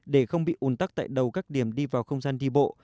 để không bị ùn tắc tại đầu các điểm đi vào không gian đi bộ